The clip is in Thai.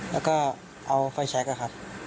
แล้วก็เอาไฟแช็ก